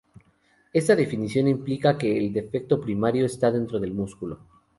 Esta definición implica que el defecto primario está dentro del músculo.